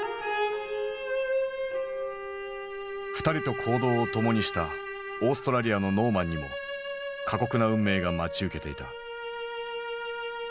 ２人と行動を共にしたオーストラリアのノーマンにも過酷な運命が待ち受けていた。